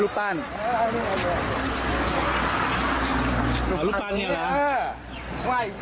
ลูปปั้นเนี่ยหรอ